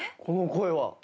この声は？